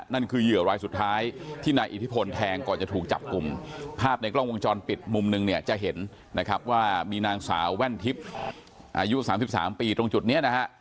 นั่นคือเหยื่อรายสุดท้ายที่นายอิทธิพลแทงก่อนจะถูกจับกลุ่มภาพในกล้องวงจรปิดมุมนึงเนี่ยจะเห็นนะครับว่ามีนางสาวแว่นทิพย์อายุ๓๓ปีตรงจุดนี้นะฮะ